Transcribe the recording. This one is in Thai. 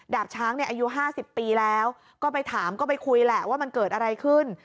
ช้างอายุ๕๐ปีแล้วก็ไปถามก็ไปคุยแหละว่ามันเกิดอะไรขึ้น